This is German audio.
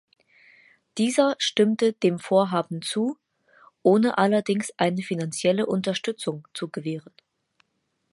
Dieser stimmte dem Vorhaben zu, ohne allerdings eine finanzielle Unterstützung zu gewähren.